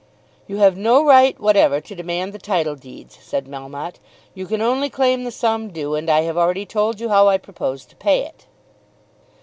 "You have no right whatever to demand the title deeds," said Melmotte. "You can only claim the sum due, and I have already told you how I propose to pay it."